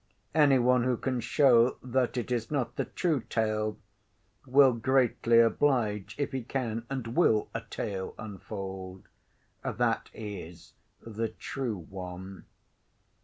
Any one who can show that it is not the true tale, will greatly oblige, if he can and will a tale unfold, that is the true one.